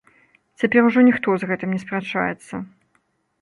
Цяпер ужо ніхто з гэтым не спрачаецца.